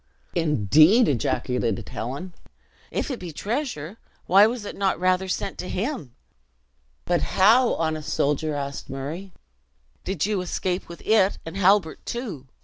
"Indeed!" ejaculated Helen. "If it be treasure, why was it not rather sent to him!" "But how, honest soldier," asked Murray, "did you escape with it, and Halbert, too!